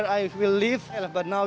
saya tidak tahu kemana saya akan hidup